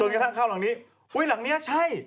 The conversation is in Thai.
กระทั่งเข้าหลังนี้อุ้ยหลังนี้ใช่